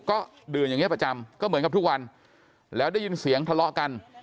ก็ดื่มอย่างนี้ประจำก็เหมือนกับทุกวันแล้วได้ยินเสียงทะเลาะกัน